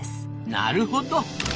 なるほど！